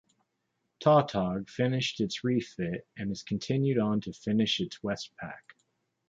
Tautog finished its refit and continued on to finish its WestPac.